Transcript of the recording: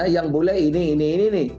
yang boleh ini ini ini